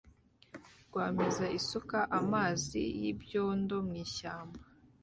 RWAMEZA isuka amazi y'ibyondo mwishyamba